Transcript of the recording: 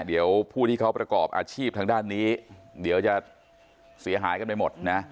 เดี๋ยวผู้ที่เขาประกอบอาชีพทางด้านนี้เดี๋ยวจะเสียหายกันไปหมดนะ